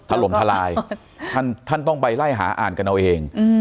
ถล่มทลายท่านต้องไปไล่หาอ่านกันเอาเอง